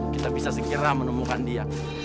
kita bisa segera menemukan dia